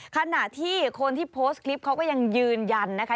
ขณะที่คนที่โพสต์คลิปเขาก็ยังยืนยันนะคะ